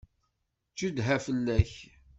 Gedha fell-ak!